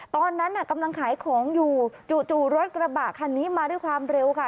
ตอนนั้นน่ะกำลังขายของอยู่จู่รถกระบะคันนี้มาด้วยความเร็วค่ะ